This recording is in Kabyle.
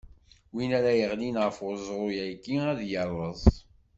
Win ara yeɣlin ɣef uẓru-agi ad irreẓ.